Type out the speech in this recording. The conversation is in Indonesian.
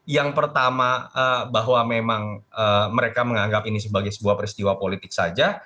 yang pertama bahwa memang mereka menganggap ini sebagai sebuah peristiwa politik saja